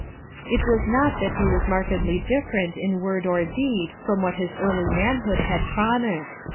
It was not that he was markedly different in word or deed from what hi> early manhood had promised.